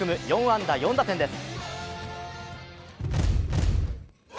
４安打４打点です。